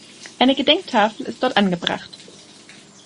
Eine Gedenktafel ist dort angebracht.